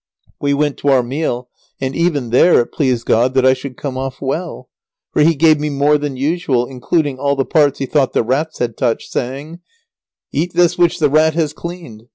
We went to our meal, and even there it pleased God that I should come off well; for he gave me more than usual, including all the parts he thought the rats had touched, saying: "Eat this which the rat has cleaned."